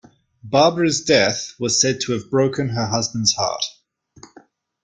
Barbara's death was said to have broken her husband's heart.